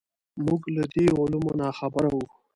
موږ له دې علومو ناخبره وو.